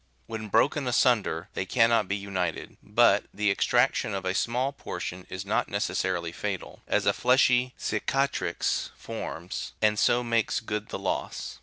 "When broken asunder they can not be united, but the extraction of a small portion is not ne cessarily fatal, as a fleshy cicatrix forms, and so makes good the loss.